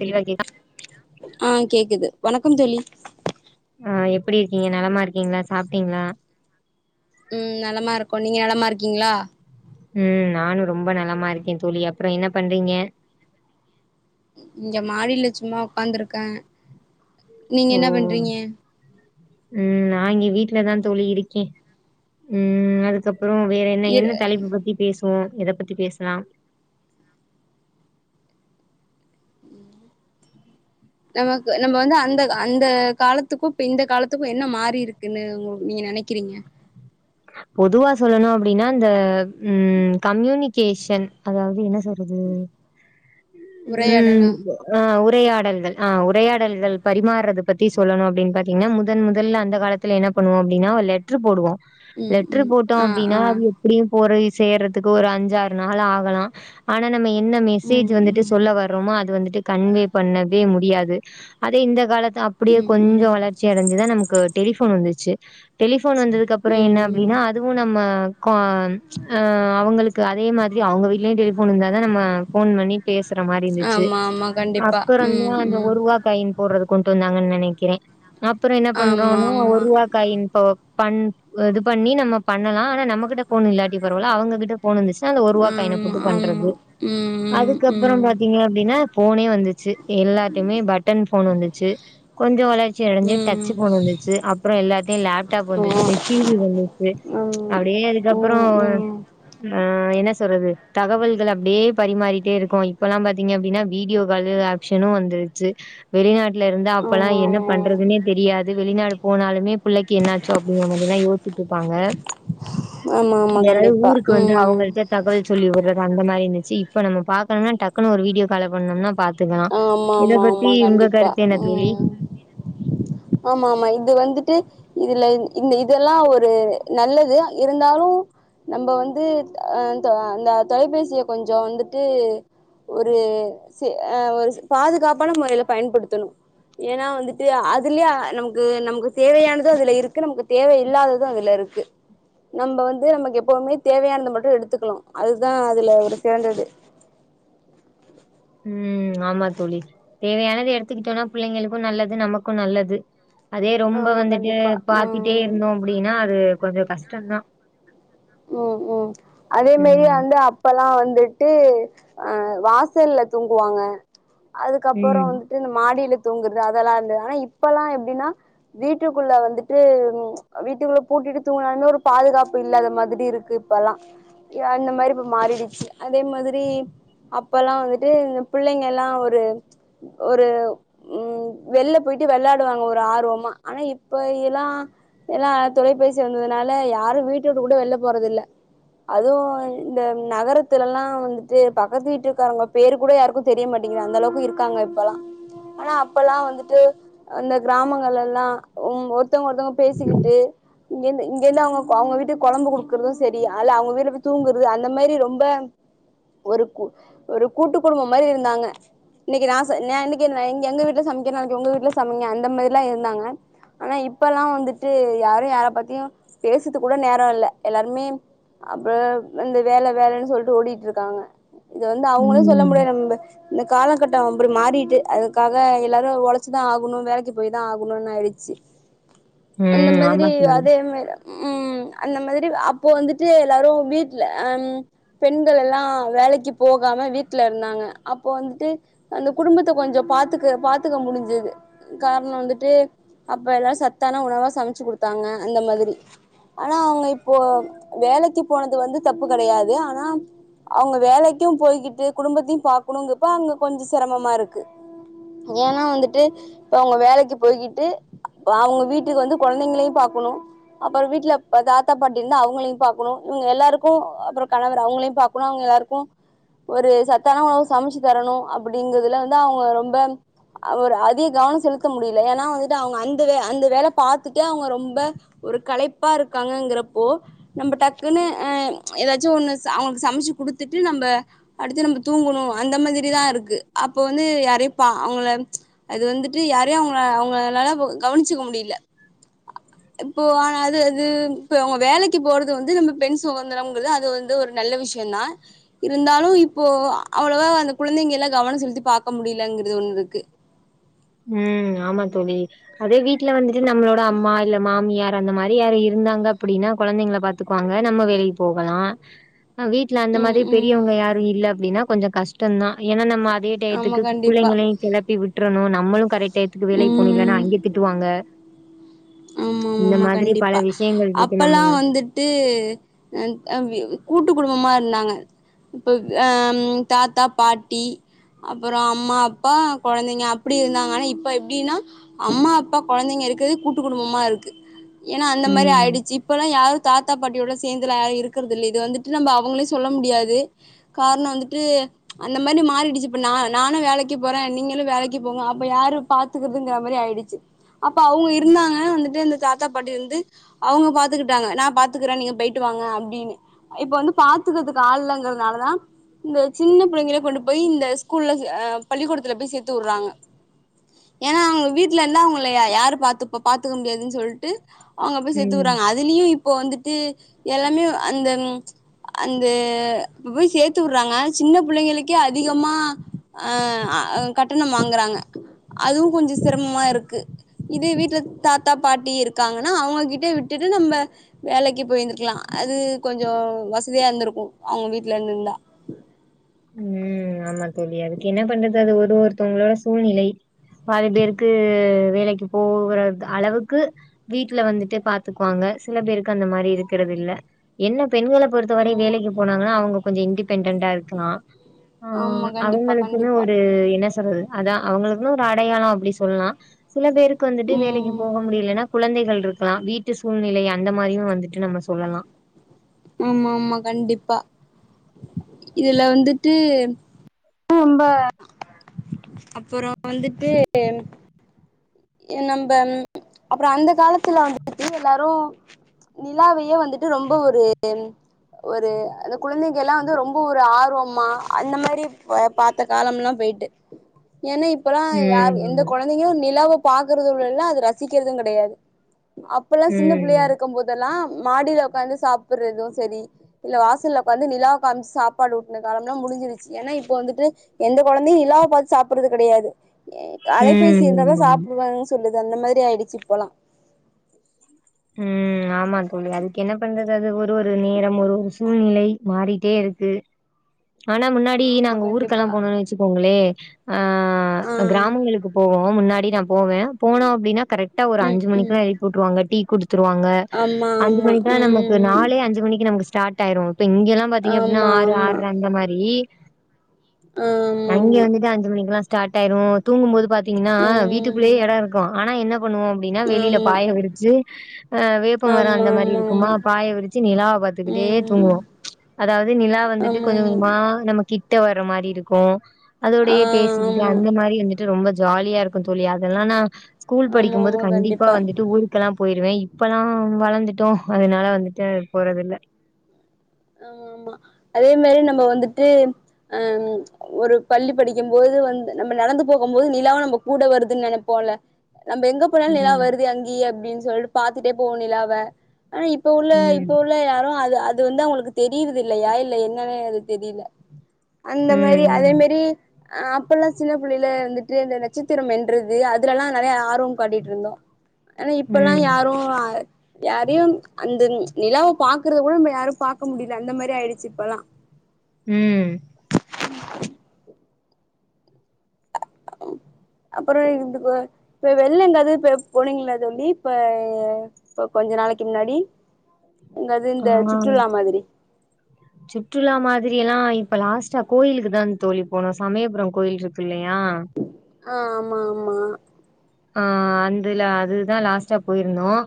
தெளிவா கேக் ஆ கேக்குது வணக்கம் தோழி பிடி இருக்கிங்க நலமா இருக்கிங்ளா சாப்ட்டிங்ளா ம் நலமாருக்கோ நீங்க நலமா இருக்கிங்ளா ம் நானு ரொம்ப நலமா இருக்கே தோழி அப்பற என்ன பண்றிங்க இங்க மாடில சும்மா உக்காந்துருக்க நீங்க ஓ என்னா பண்றிங்க ம் நா இங்க வீட்லதா தோழி இருக்கே ம் அதுக்கப் புறோ வேறென்ன இரு என்ன தலைப்ப பத்தி பேச றோ எத பத்தி பேசலாம் நமக்கு நம்ம வந்து அந்த அந்த காலத்துக்கு இப்ப இந்த காலத்துக்கு என்ன மாரி இருக்குன்னு உங்க நீங்க நெனைக்கிறிங்க பொதுவா சொல்லணு அப்டின்னா இந்த ம் கம்யூனிகேஷன் அதாவது என்ன சொல்றது ம் உரையாடலா ஆ உரையாடல்கள் ஆ உரையாடல்கள் பரிமாறுறது பத்தி சொல்லணு அப்டின்னு பாத்திங்கனா முதன் முதல்ல அந்த காலத்துல என்ன பண்ணுவோ அப்டின்னா ஒரு லெட்ரு போடுவோ ம் லெட்டர் ம் போட்டோ ஆ அப்டின்னா ஆ அது எப்படியு போய் சேர்றதுக்கு ஒரு அஞ்சாறு நாள் ஆகலா ஆனா நம்ம என்ன மெசேஜ் ம் வந்துட்டு ம் சொல்ல வர்றோமோ அது வந்துட்டு கன்வே பண்ணவே முடியாது அதே இந்த காலத்து அப்படியே ம் ம் கொஞ்சம் வளர்ச்சி அடைஞ்சுதான் நமக்கு டெலிபோன் வந்துச்சு டெலிபோன் வந்தது க்கு அப்புறம் என்ன ம் ம் அப்பின்னா அதுவும் நம்ம கு அவங்களுக்கு அதே மாதிரி அவங்க வீட்டுலயும் டெய்லி இருந்த தான் நம்ம போன் பண்ணி பேசுற மாதிரி இருந்துச்சு ஆமா ஆமா கண்டிப்பா ம் அப்புறந்தான் அந்த ம் ஒருவா காயின் போடுறதுக்கு கொண்ட்டு வந்தாங்கன்னு நினைக்கிறேன் அப்புறம் என்ன ஆமா பண்றோம்னா ஆமா ஒர்ருவாக்காயின்ப்ப பண்வதுப் பண்ணி நம்ம பண்ணலாம் ஆனா நம்மகிட்ட போன் இல்லாட்டி பரவாயில்ல அவங்ககிட்ட போன் வந்துச்சுன்னா அந்த ஓருவாக்கயன ஆமா போட்டு ஆமா பண்றது ம் ம் அதுக்கப்புறம் ம் பாத்தீங்க அப்படின்னா போனே வந்துச்சு ச்சு எல்லாத்துமே பட்டன் போன் வந்துச்சு கொஞ்சம் வளர்ச்சி அடைஞ்ச டச் ம் போன் வந்துச்சு அப்புறம் எல்லாத்தையும் லேப்டாப் வந்துச்சு ஓ டிவி வந்துச்சு ம் அப்படியே ம் அதுக்கப்பறம் ம் அஹ் என்ன தொட்றது தகவல்கள் அப்படியே பரிமாறிட்டே இருக்கு இப்பெல்லாம் பாத்தீங்க அப்படின்னா வீடியோ கால் ஆப்ஷனும் வந்துருச்சு வெளிநாட்டு இருந்து அப்பல்லாம் ஆமா என்ன பண்றதுன்னே தெரியாது வெளிநாடு போனாலுமே பிள்ளக்கு என்னாச்சோ அப்படிங்க மாதிரில்ல யோச்சு ஆமா ஆமா ஆமா [unintelligible] யாராவது கண்டிப்பா ஊருக்கு வந்து ம் அவங்கள்ட்ட தகவல் சொல்லி விடுறதா அந்த மாதிரி இருச்சு இப்ப நம்ம பாக்கணும்னா டக்குன்னு ஒரு வீடியோகால் பண்ணோனா பாத்து ஆமா ஆமா ஆமா கண்டிப்பா என்ன தோழி உம் ஆமா ஆமா இது வந்துட்டு இதுல இந்த இதெல்லாம் ஒரு நல்லது இருந்தாலு நம்ம வந்து அந்த தொலைபேசியை கொஞ்ச வந்துட்டு ஒரு ச அஹ் ஒரு பாதுகாப்பான முறையில பயன்படுத்தணு ஏன்னா வந்துட்டு அதுலயே நமக்கு நமக்கு தேவையானது அதுல இருக்கு நமக்கு தேவ இல்லாதது அதுல இருக்கு நம்ம வந்து நமக்கு எப்பவுமே தேவையானது மட்டு எடுத்துக்கனு அதுதான் அதுல ஒரு சிறந்தது உம் ஆமா தோழி தேவையானது எடுத்துக்கிட்டோனா பிள்ளைங்களுக்கு நல்லது நமக்கு நல்லது அதே ரொம்ப ஆமா வந்துட்டு கண்டிப்பா பாத்திட்டே உம் இருந்தோ அப்படின்னா அது கொஞ்ச கஷ்டந்தா ம் ம் அதேமேரி ம். வந்து அப்பலா வந்துட்டு அ வாசல்ல தூங்குவாங்க அதுக்கப்புறோ ம். வந்துட்டு இந்த மாடில தூங்குறது அதெல்லா இருந்துது ஆனா இப்பலா எப்டினா வீட்டுக்குள்ள வந்துட்டு வீட்டுக்குள்ள பூட்டிட்டு தூங்குனாலுமே ஒரு பாதுகாப்பு இல்லாத மாதிரி இருக்கு இப்பலா அந்தமாரி இப்ப மாறிடுச்சு அதே மாதிரி அப்பலா வந்துட்டு புள்ளைங்கள்லா ஒரு ஒரு ம் வெளில போயிட்டு வெளாடுவாங்க ஒரு ஆர்வமா ஆனா இப்ப எல்லா எல்லா தொலைபேசி வந்ததுனால யாரு வீட்டவுட்டு கூட வெள்ல போறதில்ல அதுவு இந்த நகரத்துலலா வந்துட்டு பக்கத்து வீட்டு காரங்க பேரு கூட யாருக்கு தெரிய மாட்டங்கிது அந்த அளவுக்கு இருக்காங்க இப்பலா ஆனா அப்பலா வந்துட்டு அந்த கிராமங்கள்ல எல்லா ஒ ஒருத்தங்க ஒருத்தங்க பேசிகிட்டு இங்கேந்து இங்கேந்து அவுங்க அவுங்க வீட்டுக்கு கொழம்பு குடுக் இருக்றது சரி அல்ல அவங்க வீட்ல போய் தூங்குறது அந்தமேரி ரொம்ப ஒரு கு ஒரு கூட்டு குடும்ப மாதிரி இருந்தாங்க இன்னைக்கு நா ந இன்னைக்குங்க எங்க வீட்ல சமக்கிறோ நாளைக்கி உங்க வீட்டுல சமைங்க அந்தமேரிலா இருந்தாங்க ஆனா இப்பல்லா வந்துட்டு யாரு யார பத்தியும் பேசுறதுக்கு கூட நேரோ இல்ல ருமே அப்புற இந்த வேல வேலன்னு சொல்ட்டு ஓடிட்ருக்காங்க இது வந்து அவங்களு சொல்ல ம். முடியாது நம்ப இந்த கால கட்ட அப்டி மாறிட்டு அதுக்காக எல்லாரு ஒழச்சுதா ஆகணு வேலைக்கு போய் தா ஆகணுன்னு ஆயிடுச்சு அந்த ம். மாதிரி ஆமா தோழி. அதே மா உம் அந்த மாதிரி து அப்போ வந்துட்டு எல்லாரு வீட்ல அம் பெண்களெல்லா வேலைக்கு போகாம வீட்ல இருந்தாங்க அப்போ வந்துட்டு அந்த குடும்பத்த கொஞ்சம் பாத்து பாத்துக்க முடிஞ்சுது காரணம் வந்துட்டு அப்ப எல்லாம் சத்தான உணவா சமைச்சு கொடுத்தாங்க அந்த மாதிரி ஆனா அவுங்க இப் இப்போ வேலைக்கு போனது வந்து தப்பு கிடையாது ஆனா அவுங்க வேலைக்கும் போய்கிட்டு குடும்பத்தையும் பாக்கணுங்கப்ப அங்க கொஞ்சம் சிரமமா இருக் கு ஏனா வந்துட்டு இப்ப அவ்ங்க வேலைக்கு போய்கிட்டு அவுங்க வீட்டுக்கு வந்து குழந்தைங்களையும் பாக்கணும் அப்புறம் வீட்டுல தாத் தா பாட்டி ருந்தா அவ்ங்களையு பாக்கணு இங்க எல்லாருக்கு அப்றோ கணவர் அவ்ங்களையு பாக்கணு அவ்ங்க எல்லாருக் ஒரு சத்தான உணவு சமைச்சு தரணும் அப்படிங்கிறதுல வந்து அவுங்க ரொம்ப ஒரு அதி கவனம் செலுத்த முடியல ஏன்னா வந்துட்டு அவுங்க அந்த அந்த வேலை பாத்துட்டே அவங்க ரொம்ப ஒரு கலைப்பா இருக்காங்கறப்போ போ நம்ப டக்குன்னு ஆ எதாச்சு ஒன்னு ச அவ்ங்களுக்கு சம்ச்சு குடுத்துட்டு நம்ப அடுத்தே நமக்கு தூங்கணு அந்த மாதிரி தா இருக்கு அப்போ வந்து யாரையு பா அவ்ங்கள அது வந்துட்டு யாரையு அவ்ங்க அவ்ங்கனாலாக் கவனிச்சிக்க முடிய்ல இப்போ ஆனா அது அது இப்ப அவங்க வேலைக்கு போறது வந்து நம்ம பெண் சுகந்தரம்ங்கிறது அது வந்து ஒரு நல்ல விஷயம தான் இருந்தாலும் இப்போ அவ்ளவா அந்த குழந்தைங்க எல்லாம் கவனம் செலுத்தி பாக்க முடியலங்கிறது ஒண்ணு இருக்கு ம் ஆமா தோழி அதே வீட்ல வந்துட்டு நம்மளோட அம்மா இல்ல மாமியார் அந்த மாரி யாரு இருந்தாங்க அப்டினா கொழந்தைங்கள பாத்துக்குவாங்க நம்ம வேலைக்கு போகலா ஹ வீட்ல அந்த ம் மாரி ம் பெரியவங்க யாரும் இல்ல அப்டின்னா கொஞ்ச கஷ்டந்தா ஏனா நம்ம இதே ஆமா டயத்துக்கு கண்டிப்பா பிள்ளைங்களையு கெளப்பி விட்டு கட்டனு நம்ம நம்மலும் கரெக்ட் டயத்துக்கு வேலை போனும் இல்லன்னா ம் அங்கேயும் திட்டுவாங்க ஆமா ஆமா இந்த ஆமா மாதிரி பல கண்டிப்பா விஷயங்கள் இருக்கு அப்பல்லாம் நம்ம வந்துட்டு கூட்டு குடும்பமா நதாங்க ப்ப ஆஹ் தாத்தா பாட்டி அப்புறோ அம்மா அப்பா குழந்தைங்க அப்படி இருந்தாங்க ஆனா இப்ப எப்படின்னா அம்மா அப்பா குழந்தைங்க இருக்குறது கு குடும்பமா இருக்கு ஏன்னா அந்த ம். மாதிரி ஆயிடுச்சு இப்பல யாரும் தாத்தா பாட்டியோட சேர்ந்துல யாரும் இருக்கிறது இல்ல இது வந்துட்டு நம்ம அவங்கள சொல்ல முடியாது காரணம் வந்துட்டு அந்த மாதிரி மாறிடுச்சு நானும் வேலைக்கு போறேன் நீங்களும் வேலைக்கு போங்க அப்ப யாரு பாத்துக்கிறதுங்ற மாதிரி ஆய்டுச்சு அப்போ அவங் இருந்தாங்க வந்துட்டு இந் தாத்தா பாட்டி இருந்து அவங்க பாத்துக்கிட்டாங்க நான் பாத்துக்கிறேன் நீங் போயிட்டு வாங்க அப்படின்னு இப்ப வந்து பாத்துக்கிறதுக்கு ஆள் இல்லங்கிறதுனால தான் இந்த சின்ன பிள்ளைங்கள கொண்டு போய் இந்த ஸ்கூல்ல ஆ பள்ளிக்கூடத்ல போய் சேத்து வுட்றாங்க ஏன்னா அவங்க வீட்ல இருந்த அவங்க ளைய யாரு பாத்து முடியாதுன்னு சொல்லிட்டு அவங்க போய் சேத்து ம். விட்றாங்க அதுலியு இப் இப்போ வந்துட்டு எல்லாமே அந்த அந்த இப்ப போய் சேத்து விட்றாங்க சின்ன பிள்ளைங்களுக்கே அதிகமா அ கட்டணம் வாங்குறாங்க அதுவும் கொஞ்சம் சிரமமா இருக்கு இதே வீட்டுல தாத்தா பாட்டி இருக்காங்கன்னா அவங்ககிட்டே விட்டுட்டு நம்ம வேலைக்கு போயிருந்தருக்கலா அது கொஞ்சம் வசதியா இருந்திருக்கும் அவங்க வீட்ல இருந்திருந்த ம் ஆமா தோழி அதுக்கு என்ன பண்றது அது ஒரு ஒருத்தவங்களோட சூழ்நிலை பல பேருக்கு வேலைக்கு போகற அளவுக்கு வீட்டுல வந்துட்டே பாத்துக்குவாங்க சில பேருக்கு அந்த மாரி இருக்குறது இல்ல என்ன பெண்கள பொறுத்தவரை ஆமா வேலைக்கு போனாங்கன்னா அவங்க கொஞ்ச இண்டி பெண்டென்ட்ட இருக்கலா ஆ ஆமா கண்டிப்பா அவங்களுக்குன்னு கண்டிப்பா ஒரு என்ன சொல்றது அதா அவங்களுக்குன்னு ஒரு அடையாளம் அப்டி சொல்லாம் சில பேருக்கு வந்துட்டு வேலைக்கு ம் போக முடியலன்னா குழந்தைகள் இருக்கலாம் வீட் ட்டு சூழ்நிலை அந்த மாரியும் வந்துட்டு நம்ம சொல்லலாம் ஆமா ஆமா கண்டிப்பா இதுல வந்துட்டு ரொம்ப அப்பறோ வந்துட்டு நம்ம அப்பற அந்த காலத்துல வந்துட்டு எல்லாரு நிலாவையே வந்துட்டு ரொம்ப ஒரு ஒரு அந்த குழந்தைங்க எல்லா வந்து ரொம்ப ஒரு ஆர்வம் ஆமா அந்த மாரி பாத்த காலம்லா போயிட்டு ஏன்னா இப்பல்லா யார் எந்த ம் குழந்தைங்களும் நிலாவ பாக்குறது இல்லல அது ரசிகிறதும் கிடையாது அப்பல்லாம் சின்ன ம் பிள்ளையா இருக்குபோதெல்லாம் மாடில உக்காந்து சாப்பிடுறதும் சரி இல்ல வாசல உக்காந்து நிலா காாமிச்சு சாப்பாடு ஊட்டுன காலம்லா முடிஞ்சிருச்சு ஏன்னா இப்ப வந்துட்டு எந்த குழந்தையு நிலாவை பாத்து சாப்புட்றது கிடையாது அலைபேசி இருந்தாத ம் சாப் றனு சொல்லுது அந்த மாரி ஆயிடுச்சு இப்பலாம் ம் ஆமா தோழி அதுக்கு என்ன பண்றது அது ஒரு ஒரு நேரம் ஒரு ஒரு சூழ்நிலை மாறிட்டே இருக்கு ஆனா முன்னாடி ஆமா நாங்க கண்டிப்பா ஊருக்கெல்லாம் போணுன்னு வச்சுக்கோங்களே ஆ ஆ கிராமங்களுக்கு போவோம் முன்னா டி நா போவே போனோ அப்டின்னா கரைக்டா ஒரு ம் அஞ்சு ம் மணிக்கல்லா எழுப்பி வுட்டுருவாங்க த்ருவாங்க ஆமா அஞ்சு ஆமா மணிக்கெல்லாம் நமக்கு ம் நாளே அஞ்சு மணிக்கு நமக்கு ஸ்ட டாயிரு இப்ப இங்கெல்லா பாத்தீங்க அப்டின்னா ஆமா ஆறு ஆற்ரை அந்த மாரி ஆமா அங்க வந்துட்டு அஞ்சு மணிக்குலா ஸ்டார்ட் ஆயிரும் தூங்கும் போது ப ன்னா ஆமாமா ம் வீட்டுக்குள்ளயே இடம் இருக்கும் ஆனா என்ன பண்ணுவோம் அப்படின்னா வெளியில ஆமா பாயவிருச்சு ஆஹ் வேப்ப மரம் ஆமா அந்த மாதிரி ஆமா இருக்குமா ஆமா பாய விரிச்சு நிலாவை பாத்துக்கிட்டே ம் தூங்குவோம் அதாவது நிலா வந்துட்டு கொஞ்சம் ஆமாமா கொஞ்சமா நம்ம கிட்ட வற மாரி இருக்கும் ஆ அதோடையே பேசிவிட்டு ஆமா அந்த மாரி வந்துட்டு ரொம்ப ஜாலியா இருக்கும் தோழி அதெல்லானா ஸ்கூல் படிக்கும்போது கண்டிப்பா வந்துட்டு ஊருக்கெல்லாம் இப்பல்லாம் வளர்ந்துட்டோம் அதனால வந்துட்டு போறத இல்ல ஆஹ் ஆமா அதே மாரி நம்ம வந்துட்டு அஹ் ஒரு பள்ளி படிக்கும்போது வந்து நம்ம நடந்து போக போது நிலாவும் நம்ம கூட வருதுன்னு நினைப்போல நம்ம எங்க போனாலும் நிலா எல்லாம் ம். வருது அங்கேய அப்படின்னு சொல்லிட்டு பாத்துட்டே போகும்நிலாவ ஆனா இப்ப உள்ள இப்ப ம். உள்ள யாரும் அது வந்து அவங்களுக்கு தெரியுது இல்ல யா இல்ல என்னன்னே அது தெரியல அந்த மாதிரி ம். அதே ம். மாரி அஹ் அப்ப எல்லாம் சின்ன பிள்ளையில வந்துட்டு அந்த நட்சத்திரம் வென்றது அதுலல்லாம் நிறைய ஆர்வம் காட்டிட்டு இருந்த ஆனா இப்பல்லாம் ம். யாரும் யாரையும் அந்த நிலாவை பாக்கிற கூட யாரும் பாக் பக்க முடியல அந்த மாரி ஆயிடுச்சு இப்பலா உம் உம் அப்புறம் இப்ப வெள்ள எங்காவது இப்ப போனீங்களா சொல்லி இப்ப இப்ப கொஞ்ச நாளைக்கு முன்னாடி எங்காவது இந்த ஆஹ் சுற்றுலா மாதிரி சுற்றுலா மாதிரி எல்லாம் இப்ப லாஸ்ட்டா கோயிலுக்கு தான் தோழி போனும் சமயபுரம் கோயில் இருக்கு இல்லையா ஆஹ் ஆமா ஆமா ஆஹ் அதுல அதுதான் லாஸ்டா போயிருந்தோம்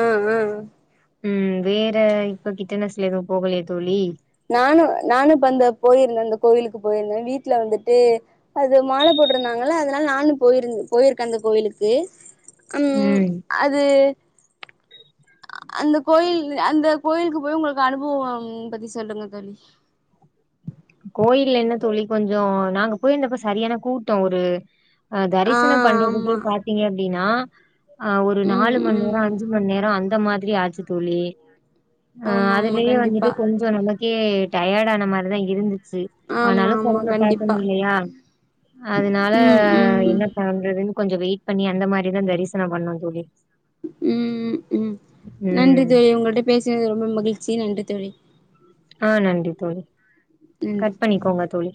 ஆஹ் ஹ் உம் வேற இப்ப கிட்டனஸ்ல எதுவும் போகலையே தோழி நானும் நானும் இ அந்த போயிருந்தேன் அந்த கோவிலுக்கு போயிருந்தேன் வீட்டுல வந்துட்டு அது மாலை போட்டிருந்தாங்கள அதனால நானும் போயிருந்த போயிருக்கேன் அந்த கோவிலுக்கு உம் ம். அது அ அந்த கோயில் அந்த கோயிலுக்கு போய் உங்களுக்கு அனுபவ பத்தி சொல்லுங்க தோழி கோயில் என்ன தோழி கொஞ்ச நாங்க போயிருந்தப்ப சரியான கூட்ட ஒரு ஆஹ் ஆ தரிசன ஆமா பண்ணறக்குள்ளயே பாத்தீங்க அப்டினா ஆஹ் ஒரு நாலு ம் மணி நேர ம் அஞ்சி மணி நேர அந்த மாரி இல்ல ஆச்சு தோழி ஆஹ் ஆமா ஆமா அதுலேயே கண்டிப்பா வந்துட்டு கொஞ்ச நமக் க்கியே டயர்ட் ஆன மாரிதா இ இருந்து ச்சு ஆமா ஆனாலு ஆமா பொங்க பாக்கனு கண்டிப்பா இல்லயா அதனால ம் ம் என்ன பண்றதுன்னு கொஞ்ச வெயிட் பண்ணி அந்த மாரிதா தரிசனொ பண்ணு தோழி உம் ம் நன்றி ம் தோழி உங்கள்ட்ட பேசுனது ரொம்ப மகிழ் சி நன்றி தோழி ஆ நன்றி தோழி நன்றி கட் ம் பண்ணிக்கோங்க தோழி